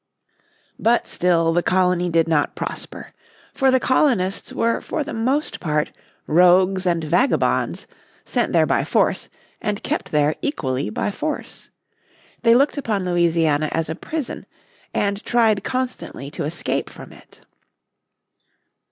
But still the colony did not prosper. For the colonists were for the most part rogues and vagabonds, sent there by force, and kept there equally by force. They looked upon Louisiana as a prison, and tried constantly to escape from it.